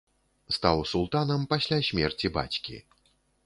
Стаў султанам пасля смерці бацькі.